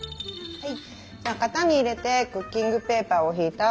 はい。